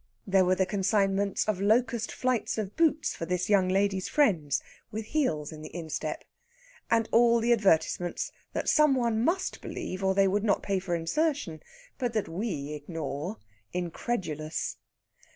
There were the consignments of locust flights of boots, for this young lady's friends, with heels in the instep. And all the advertisements that some one must believe, or they would not pay for insertion; but that we ignore, incredulous.